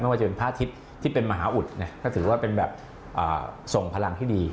ว่าจะเป็นพระอาทิตย์ที่เป็นมหาอุดก็ถือว่าเป็นแบบส่งพลังที่ดี